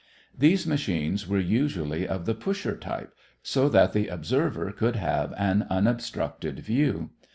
These machines were usually of the pusher type, so that the observer could have an unobstructed view.